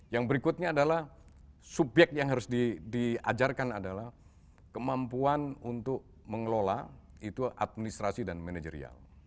yang berikutnya adalah subyek yang harus diajarkan adalah kemampuan untuk mengelola itu administrasi dan manajerial